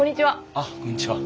あっこんにちは。